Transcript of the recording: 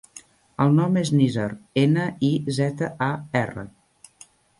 El nom és Nizar: ena, i, zeta, a, erra.